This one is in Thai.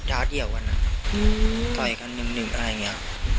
เดียวกันต่อยกันหนึ่งอะไรอย่างนี้